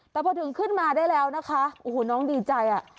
แต่พอถึงขึ้นมาได้แล้วนะคะโอ้โหน้องดีใจอ่ะ